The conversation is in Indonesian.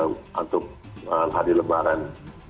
untuk hari lebaran